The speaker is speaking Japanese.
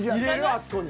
あそこに。